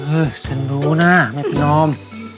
เออฉันรู้นะแม่พี่น้อม